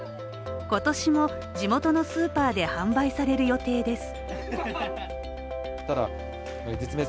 今年も地元のスーパーで販売される予定です。